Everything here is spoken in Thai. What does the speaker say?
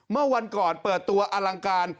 เมื่อวันก่อนเปิดตัวอลังการ